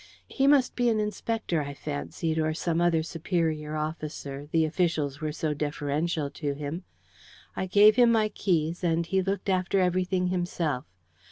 He must be an Inspector, I fancied, or some other superior officer, the officials were so deferential to him. I gave him my keys, and he looked after everything himself.